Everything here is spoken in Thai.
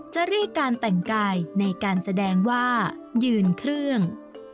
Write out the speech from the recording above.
จะเรียกการแต่งกายในการแสดงว่ายืนเครื่อง